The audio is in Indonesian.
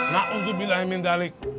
nah alhamdulillah ya minjalik